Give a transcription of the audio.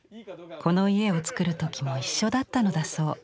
この家を造る時も一緒だったのだそう。